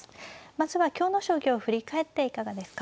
まずは今日の将棋を振り返っていかがですか。